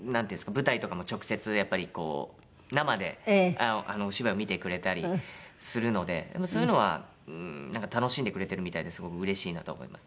舞台とかも直接やっぱりこう生でお芝居を見てくれたりするのでそういうのは楽しんでくれてるみたいですごくうれしいなとは思います。